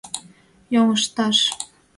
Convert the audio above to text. Йоҥышташ!